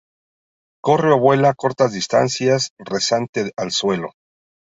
Corre o vuela cortas distancias rasante al suelo.